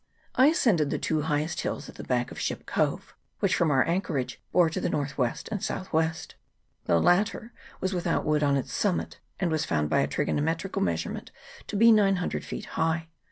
I ascended the two highest hills at the back of Ship Cove, which from our anchorage bore to the north west and south west. The latter was without wood on its summit, and was found by a trigonome trical measurement to be 900 feet high.